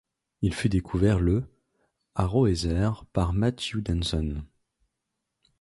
Il fut découvert le à Roeser par Matthew Dawson.